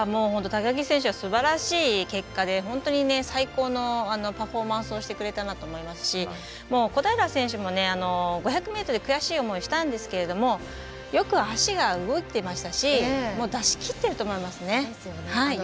高木選手はすばらしい結果で、本当に最高のパフォーマンスをしてくれたなと思いますし小平選手も５００ｍで悔しい思いしたんですけどよく足が動いてましたし出し切っていると思いますね。